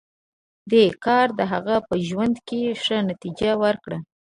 دې کار د هغه په ژوند کې ښه نتېجه ورکړه